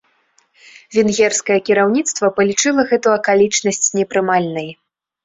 Венгерскае кіраўніцтва палічыла гэту акалічнасць непрымальнай.